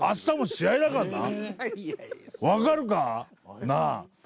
分かるか？なぁ。